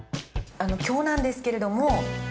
◆あの、きょうなんですけれども。